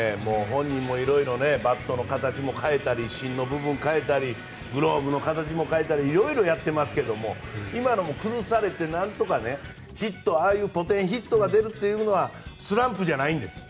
本人もいろいろバットの形も変えたり、芯の部分変えたりグローブの形変えたりいろいろやってますけど今の崩されて何とかポテンヒットが出るというのはスランプじゃないんです。